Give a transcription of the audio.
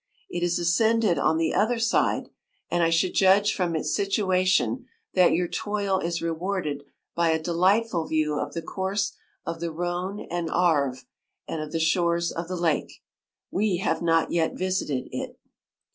It is ascend ed on the other side, and I should 103 judge from its situation that your toil is rewarded by a delightful view of the course of the Rhone and Arve, and of the shores of the lake. We have not yet visited it.